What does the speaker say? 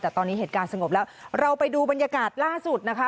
แต่ตอนนี้เหตุการณ์สงบแล้วเราไปดูบรรยากาศล่าสุดนะคะ